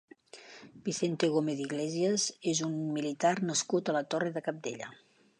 Vicente Gómez Iglesias és un militar nascut a la Torre de Cabdella.